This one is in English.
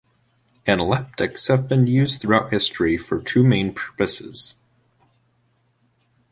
Analeptics have been used throughout history for two main purposes.